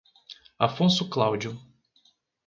Afonso Cláudio